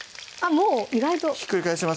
もう意外とひっくり返しますか？